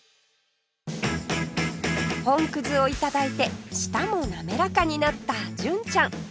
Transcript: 本を頂いて舌も滑らかになった純ちゃん